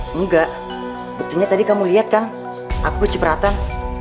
enggak buktinya tadi kamu lihat kan aku cipratan